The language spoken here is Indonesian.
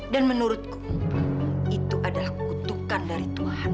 dan menurutku itu adalah kutukan dari tante ranti